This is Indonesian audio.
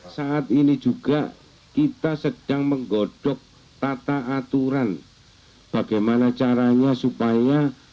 saat ini juga kita sedang menggodok tata aturan bagaimana caranya supaya